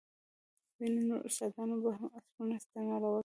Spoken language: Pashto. ځينو نورو استادانو به هم عطرونه استعمالول.